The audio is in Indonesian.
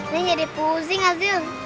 nih jadi pusing azil